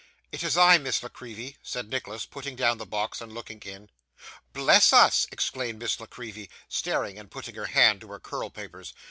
'It is I, Miss La Creevy,' said Nicholas, putting down the box and looking in. 'Bless us!' exclaimed Miss La Creevy, starting and putting her hand to her curl papers.